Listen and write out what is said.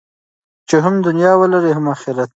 چې هم دنیا ولرئ هم اخرت.